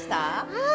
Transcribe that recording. はい。